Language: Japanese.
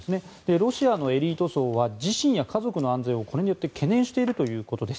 ロシアのエリート層は自身や家族の安全をこれによって懸念しているということです。